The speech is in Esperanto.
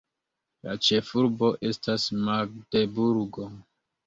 La ĉefurbo estas Magdeburgo.